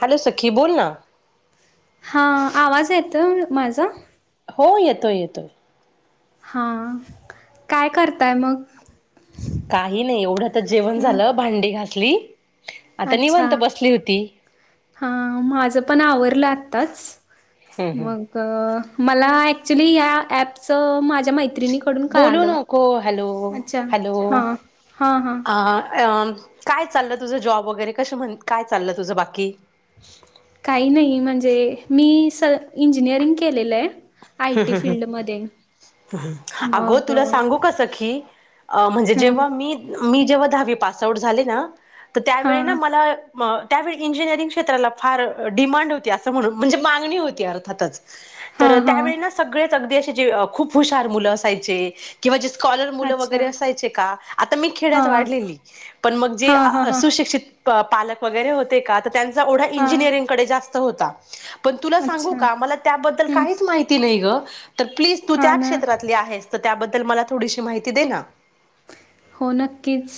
Hello सखी बोल ना हा आवाज येत माझा? हो येतोय येतोय, हा काय करताय मग, काही नाही एवढं तर जेवण हम्म झालं भांडी घासली आता अच्छा निवांत बसली होती. हा माझं पण आवरलं आत्ताच हम्म हम्म. मग मला ऍक्चुली ह ऍपच माझ्या मत्री बोलू नको हॅलो अच्छा हॅलो हां हां हां अ अ काय चाललं तुझं जॉब वगैरे कशा म्हणे काय चाललं तुझं बाकी काही नाही म्हणजे मी स इंजिनियरिंग केलेलंय आय टी फील्डमध्ये अगं मग अ, तुला सांगू का सखी अ म्हणजे हां जेव्हा मी मी जेव्हा दहावी पास आउट झाले ना तर त्यावेळी ना हां मला म त्यावेळी इंजिनिअरिंग क्षेत्राला फार डिमांड होती असं म्हणू म्हणजे मागणी होती अर्थातच तर हा त्यावेळी ना सगळेच अगदी असं खूप हुशार मुलं असायचे किंवा स्कॉलर मुलं अच्छा वगैरे असायचे का आता मी खेड्यात हां वाढलेली पण मग जे हां हां हां सुशिक्षित पालक वगैरे होते का तर त्यांचा ओढा हां इंजिनिअरिंगकडे जास्त होता पण तुला सांगू अच्छा का मला त्याबद्दल हम्म काहीच माहिती नाही गं प्लीज तू हा त्या ना क्षेत्रातली आहेस तर त्याबद्दल मला थोडीशी माहिती दे ना हो नक्कीच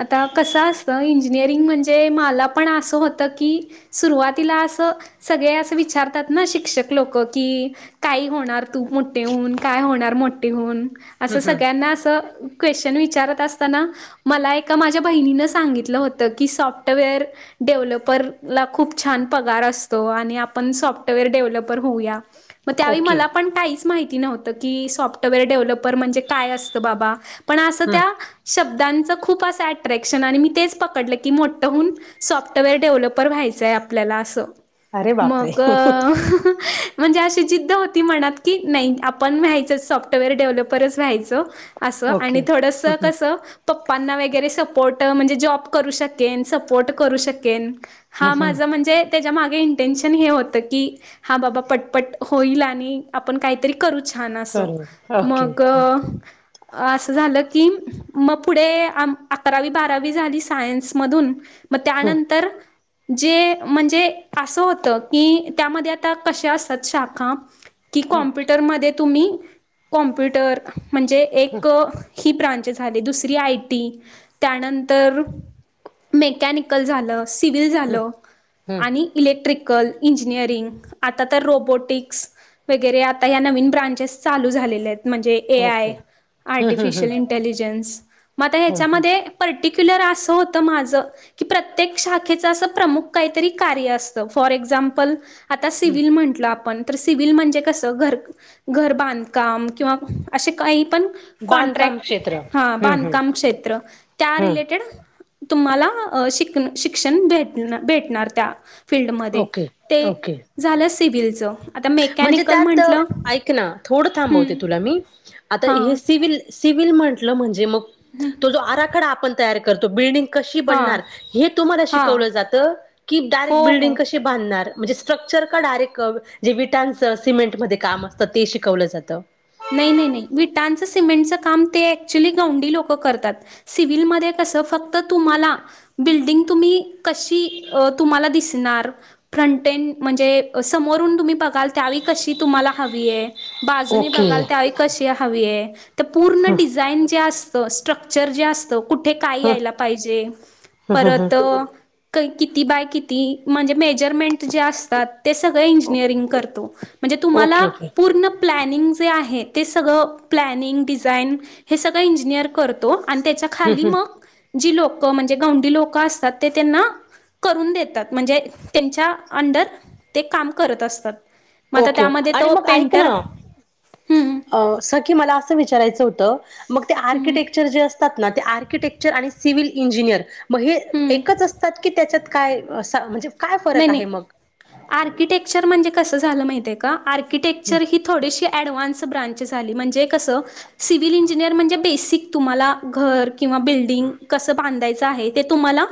आता कसं असत इंजिनिअरिंग म्हणजे मला पण असं होत की सुरुवातीला सो सगळे असे विचारतात ना शिक्षक लोक कि काई होणार तू मोठे होऊन का काय होणार मोठी होऊन हम्म असं हम्म सगळ्यांना असं कोशन-. - तेणं विचारत असताना मला एका माझ्या बहिणीनं सांगितलं होतं सॉफ्टवेअर डेव्हल डेव्हलपर ला खूप छान पगार असतो आणि आपण सॉफ्टवेअर डेव्हलपर होऊया मग त्यावेळी ओके मला पण काहीच माहिती नव्हतं कि सॉफ्टवेअर डेव्हलपर म्हणजे काय असत बाबा पण असं हम्म त्या शब्दा शब्दाच खूप असं अट्रॅक्शन आणि मी तेच पकडलं कि मोठं होऊन सॉफ्टवेअर डेव्हलपर व्हायचं च्या आपल्याला असं अरे बापरे मग ह् म्हणजे अशी जिद् होती मनात की नाही आपण व्हायचं सॉफ्टवेअर डेव्हलपरच व्यायचं ओके आणि थोडस हम्म कसं पप्पांना वगैरे सपोर्ट म्हणजे जॉब करू शकेन सपोर्ट करू शकेन हा हम्म माझं म्हणजे त्याच्या मागे इंटेनशन हे होत की हा बाबा पटपट होईल आणि आपण काहीतरी करू छान कर असं ओके मग हम्म असं कि मग पुढे आम अकरावी बारावी झाली सायन्स मधून मग हम्म त्यानंतर जे म्हणजे असं होत की त्यामध्ये आता कशा असतात शाखा कि हम्म कॉम्प्युटरमध्ये तुम्ही कॉम्प्युटर म्हणजे एक ही ब्रांचस आली दुसरी आय टी त्यानंतर मेकॅनिकल झालं सिव्हल झालं हम्म. आणि इलेक्ट्रीक ल इंजिनिअरिंग आता तर रोबोटिक्स वगैरे आता ह्या नवीन ब्रांचेस चालू झालेले आहेत म्हणजे ए आय ओके हं हं हं आर्टिफिशन इंटेलिजन्स मते हं हं ह्याच्यामध्ये ते पर्टी. केल्यावर असं होतं माझं की प्रत्येक शाखेचा असं प्रमुख काही कार्य असतं फॉर एक्झाम. एझमपल आता सिव्हल हं म्हटलं आपण. तर सिव्हल म्हणजे कस घर घर बांधकाम किंवा असे काही पण. बांधकाम कॉन्ट्रॅक्ट क्षेत्र हा हं हं बांधकाम क्षेत्र त्या हं रिलेटेड. तुम्हाला शिक शिक्षण भेट भेटणार त्या फीलल्डमध्ये ओके ते ओके झालं सिव्हिलचं. आता म्हणजे मेकॅनिकल त्यात म्हटलं ऐक ना थोडं थांबवते हं. तुला मी आता हे हां. सिव्हल. सिव्हल म्हटलं म्हणजे मग हं. तो जो आराखडा आपण तयार करतो बिल्डिंग. बिल्डिंग कशी हां. बनणार हे तुम्हाला हां. शिकवलं जातं की डायरे हो, बिल्डंग हो. कशी बांधणार म्हणजे स्ट्रक्चर का डायरेक्ट जे विटांच सिमेंटमध्येध्ये काम असतं ते शिकवलं जातं. नाही नाही नाही विटांच सिमेंट काम क्चुली गौंवंडी लोक करतात सिव्हलमध्ये. फक्त तुम्हाला बिल्डिंग तुम्ही कशी तुम्हाला दिसणार ह. म्हणजे समोरून तुम्ही बघा त्यावेळी कशी तुम्हाला ह बाजूने ओके बघाल त्यावेळी कशी हवी आहे तर पूर्ण हं डिझाईन जे अस. स्ट्रक्चर जे असत कुठे काय हं यायला पाहिजे हं हं हं परत. किती बाय किती म्हणजे मेजरमेंट जे असतात ते सगळं इंजिनिअरिंग करतो. म्हणजे तुम्हाला ओके ओके पूर्ण प्लनिंग. जे आहे ते सगळं प्लॅनिंग डिझाईन हे सगळं इंजिनिअर करतो. आणि त्याच्या हं खाली हं मग जी लोक म्हणजे गौंडी लोक असतात ते त्यांना. करून देतात म्हणजे त्यांच्या अंडर ते काम करत असतात. मग आता ओक्यो त्यामध्ये आणि तो मग ऐक पेंटर ना. हम्म अ स की मला असं विचारायचं होतं. मग ते हम्म आर्किटेक्चर जे असतात ना ते आर्किटेक्चर आणि सिव्हिल इंजिनिअर. महि हम्म एकच असतात की त्याच्यात काय म्हणजे. काय नाही फरक आहे नाही मग? आर्किटेक्चर म्हणजे कस झालं माहित आहे का. हं. र्किटेक्चर ही थोडीशी ऍडव्हान्स ब्रांच झाली म्हणजे कसं. सिव्हल इंजिनिअर म्हणजे बेसिक तुम्हाला घर किंवा बिल्डिंग कसं बांधायचं. आहे ते तुम्हाला आहे ते तुम्हाला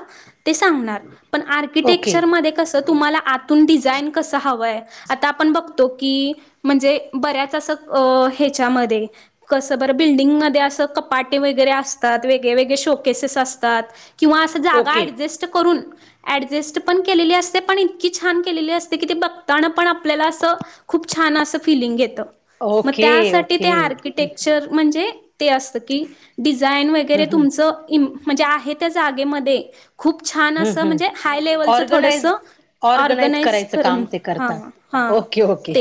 ते सांगणार पण ओके आर्किटेक्चर मध्ये कसं तुम्हाला आ. म्हण ब त्याच्या कस ब बिल्डिंग म अस कटे वगैरे असतात वेग वगळे शो केस अस ओके करून ऍडजस्ट पण केलेली असते पण इतकी छान केलेली असते की ते बघताना पण आपल्याला अस खूप छान असं फिलिंग घेतं मग ओके त्यासाठी ओके ते हम्म आर्किटेक्चर म्हणजे ते असत की डिझाईन वगैरे हम्म तुमच म्हणजे आहे त्या जागेमध्ये खूप छान हम्म असं हम्म म्हणजे हाय लेवलचं थोडस ऑर्गनाइज ऑर्गनाइज करायचं ून काम ते करतात. ओके ओके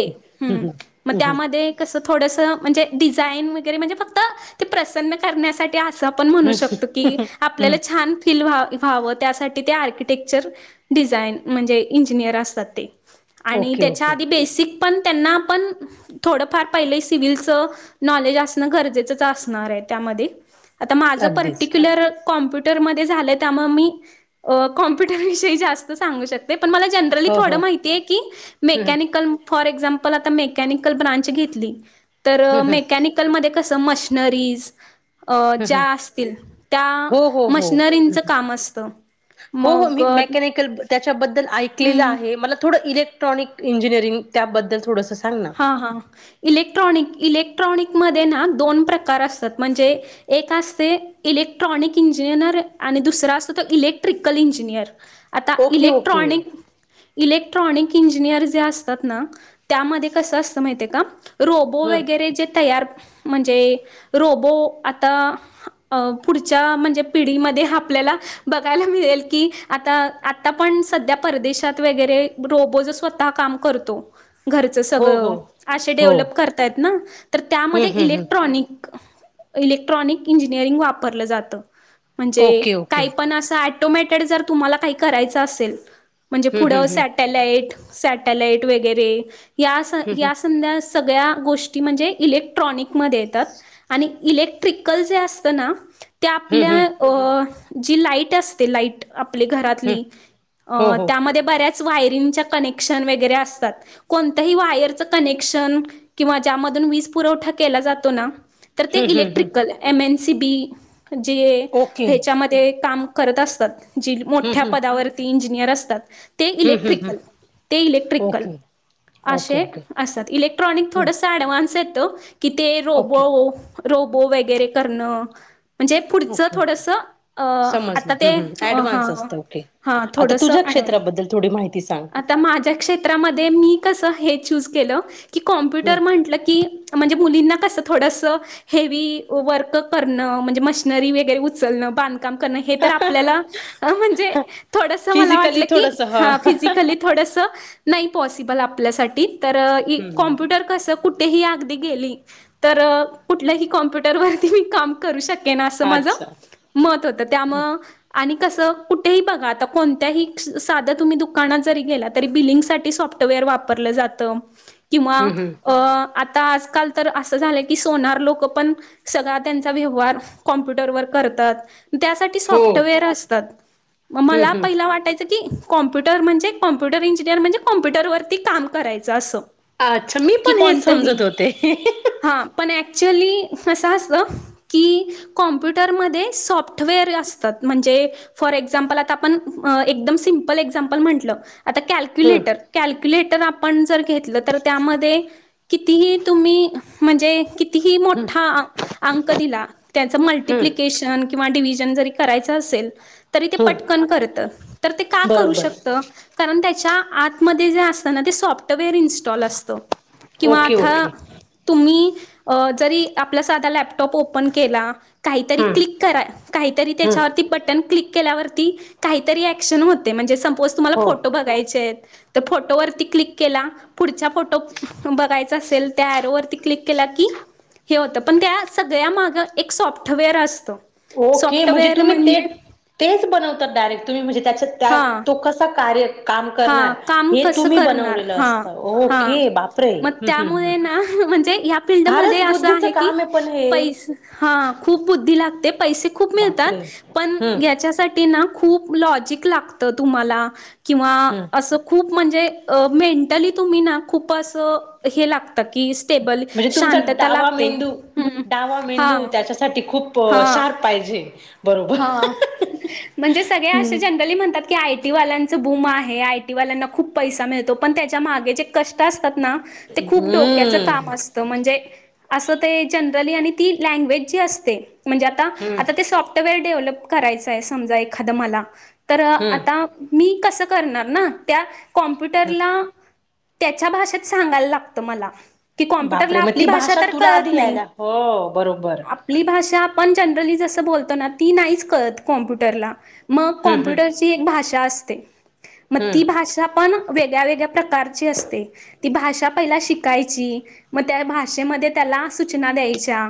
हम्म मग हम्म त्या थोडस म्हणजे डिाईन वगैरे म्हणजे फक्त ते प्रसन् करण्यासाठी ण म्हणू हम्म शकत की हम्म आपल्याला हम्म छान फील व्हावं त्यासाठी ते आर्किटेक्चर डिझाईन म्हणजे इंजिनियर असतात ते आणि ओके त्याच्या ओके आधी बेसिक पण त्यांना आप ड फार पहि स नॉलेज गजेच अस त्या आता माझं अगदीच पर्टिक्युलर कॉम्प्युटरमध्ये झालं त्यामुळे मी कॉम्प्युटर विषयी जास्त सांगू शकत ज मा हो हो हम्म हम्म हम्म मर म स मशनरीज अ ज्या हम्म असतील त्या हो हो हो मशनरींचं काम असतं हो हो मग मी मेकॅनिकल त्याच्याबद्दल ऐकलेलं हम्म आहे मला थोडं इलेक्ट्रॉनिक इंजिनिअरिंग त्याबद्दल थोडंसं सांग ना हा हा इलेक्ट्रॉनिक इलेक्ट्रॉनिक मध्ये ना दोन प्रकार असतात म्हणजे एक असतय इलेक्ट्राॅनिक इंजिनिअर आणि आणि दुसरा असतो तो इलेक्ट्रिकल इंजिनिअर आता okay okay electronic electronic engineer जे असतात ना त्यामध्ये- कस असतं माहितीय का? रोबो हम्म वगैरे जे तयार - म्हणजे रोबो आता पुढच्या म्हणजे पिढीमध्ये आपल्याला - बघायला मिळेल कि आता आ आता पण सध्या परदेशात वगैरे रोबो दा काम करतो. जस हो सगळ हो आशे हो डेव्हलब करतात ना तर त्या हम्म मध्ये हम्म हम्म इलेक्ट्रॉनिक इलेक्ट्रॉनिक इंजिनिअरिंग वापरलं जात म्हणजे ओके ओके काही पण असं- ऑटोमॅटेड जर तुम्हाला काही करायचं असेल म्हणजे हम्म हम्म पुढं हम्म सॅटेलाईट सॅटलाईट वगैरे या हम्म संध्या या संध्या - सगळ्या गोष्टी म्हणजे इलेक्ट्रॉनिकमध्ये येतात आणि इलेक्ट्रिकल जे असत ना - त्या हम्म हम्म आपल्या जी लाईट असते लाईट - आपली हम्म घरातली हो हो त्यामध्ये बऱ्याच अ वायरलेसच्या कनेक्शन वगैरे असतात कोण? ही वायरच कनेक्शन किंवा ज्यामधून वीज पुरवठा केला जातो ना. तर ते हम्म हम्म हम्म इलेक्ट्रिकल एम एनसी बी जे ओके ह्याच्यामध्ये काम. करत असतात. जी हम्म मोठ्या हम्म हम्म पदावरती इंजिनियर असतात. ते हम्म इलेक्ट्रिक हम्म ते इलेक्ट्रिकल ओके ओके असे ओके असत. इलेक्ट्रॉनिक हम्म थोडंस ॲडव्हान्स येत की ते रोबो ओके रोबो वगैरे करणं, म्हणजे पुढचं ओके ओके थोडसं आता समजलं ते हम्म हम्म ह ऍडव्हान्स असतं ओके हां आता थोडस, तुझ्या क्षेत्राबद्दल थोडी माहिती सांग आता माझ्या क्षेत्रामध्ये मी- कस हे चुझ्अ केल की कॉम्प्युटर म्हणतील कि म्हणजे मुलीना कस थोडस हेवी वर्क करण हे म्हणजे मशनरी वैगेरे उचलण बांधकाम- बांधकाम करणे तर हम्म आपल्याला म्हणजे थोडस मला वाटल फिजिकली की थोडस हा फिजिकल कस नाही पॉसिबल आपल्या साठी तर हम्म कॉम्प्युटर कस कुठे ही आपल्याला कुठ गेली तर कुठल्या ही कॉमप्युटर वरीती मी काम करू शक- अस माझ अच्छा मत होत हम्म त्यामुळे आणि कस कुठेही बघा आता कोणत्याही साध्या तुम्ही दुकानात जरी गेला तरी बिलिंग साठी सॉफ्टवेअर वापर वापरल जातं किंवा हम्म अ आता आता आजकाल तर असं झालं की सोनार लोक पण सगळा त्यांचा व्यवहार कॉम्प्युटरवर करतात - करतात त्या साठी हो सॉफ्टवेअर हम्म असतात म मला हम्म पहिला वाटाय- तर ती कॉम्प्युटर म्हणजे कॉम्प्युटर इंजिनिअर म्हणजे कॉम्प्युटरवरती काम करायचं असं. अच्छा मी की पण हेच कोणतही समजत होते हम्म हा पण ऍक्चुली, कस असत की कॉम्प्युटरमध्ये सॉफ्टवेअर असतात म्हणजे फॉर इग्झा - इग्झामपल आता आपण सिम्पल इग्झामपल म्हटलं आता कॅल्क्युलेटर कॅल्क्यु तेतर आपण जर घेतल तर त्या मध्ये कितीही तुम्ही म्हणजे. कितीही हम्म मोठा अंक दिला त्या हम्म मल्टिप्लिकेशन - किंवा डिव्हिजन जरी करायचं असेल. तरी ते हम्म पटकन करत तर ते का करू बरोबर शकत? कारण त्याच्या आतमध्ये जे अस. ते सॉफ्टवेअर इन्स्टॉल असत किंवा ओके आता ओके तुम्ही - अ जरी आपला साधा लॅपटॉप ओपन केला आ काहीतरी हम्म क्लिक करा. काहीतरी हम्म त्याच्यावरती बटन क्लिक - केल्यावरती काहीतरी ॲक्शन होते म्हणजे सपोज तुम्हाला हो फोटो बघायचे फोटोवर - क्लिक केला पुढचा फोटो बघायचा असेल त्या ॲरो वरती क्लिक केला की, हे होतं पण त्या सगळ्यामाग एक सॉफ्टवेअर असतं. ओके म्हणजे तुम्ही ते, तेच बनवतात. डायरेक्ट तुम्ही म्हणजे त्याच्यात हां तो कसा कार्य - काम हा करणार काम हे कसं तुम्ही करणार बनवलेलं हा असत हा ओके बापरे मग मं! त्यामुळे ना म्हणजे या फिल्डमध्ये अस आहे की पण हे पै हा खूप बुद्धी लागते पैसे खूप मिळतात बापरे पण हम्म याच्यासाठी ना खूप लाजिक लागते तुमला किं हम्म अस खूप खूप म्हणजे मेंटली तुम्ही ना खूप असं हे लागतं की स्टेबल म्हणजे तुमचा शांतता डावा लागते मेंदू हा हा प सार पाहिजे बरोबर हा म्हणजे सगळे असे हम्म जनरली म्हणतात की आयटी वाल्यांच बूमा आहे आय टीवाल्यांना खूप पैसा मिळतो पण त्याच्या मागे जे कष्ट अस ते खूप डोक्याच काम असत म्हणजे असं ते जनरली आणि ती लँग्वेज जी असते म्हणजे आता हम्म आता ते स व डेव्हलप करायच आहे समजा एखाद मला तर आता हम्म मी णार त्या कॉमप्युरला त्याच्या भाषेत सांगायला लागतं मला की कॉम्प्युटरला बापरे मग आपली ती भाषा तर तुला कळत आधी नाही यायला हो बरोबर आपली भाषा ण जनरली जस बोलतो ना ती नाहीच करत कॉम्प्युटरला मग हम्म हम्म कॉम्प्युटरची एक भाषा असते मग ती हम्म भाषा पण वेगळ्या वेगळ्या प्रकारची असते ती भाषा पहिला शिकायची मग त्या भाषेमध्ये त्या सूचना द्याच्या